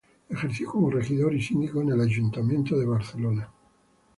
Ejerció como regidor y síndico en el Ayuntamiento de Barcelona.